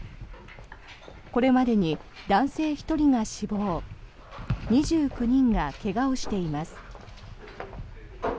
これまでに男性１人が死亡２９人が怪我をしています。